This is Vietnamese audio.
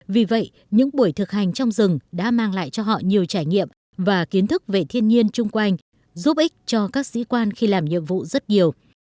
vì vậy những buổi thực hành trong rừng đã mang lại cho họ nhiều trải nghiệm và kiến thức về thiên nhiên chung quanh giúp ích cho các sĩ quan khi làm nhiệm vụ rất nhiều